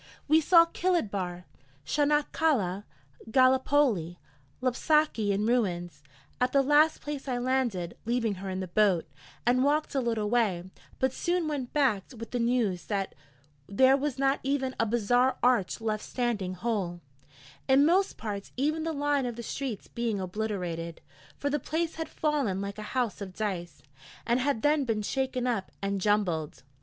We saw Kilid Bahr, Chanak Kaleh, Gallipoli, Lapsaki in ruins; at the last place I landed, leaving her in the boat, and walked a little way, but soon went back with the news that there was not even a bazaar arch left standing whole, in most parts even the line of the streets being obliterated, for the place had fallen like a house of dice, and had then been shaken up and jumbled.